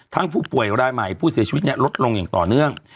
ทั้งผู้ป่วยเราได้หมายผู้เสียชีวิตนี่ลดลงอย่างต่อเนื่อง